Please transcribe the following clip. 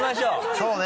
そうね